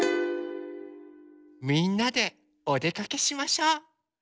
みんなでおでかけしましょう。